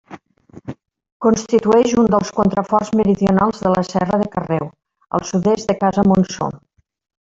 Constitueix un dels contraforts meridionals de la Serra de Carreu, al sud-est de Casa Montsor.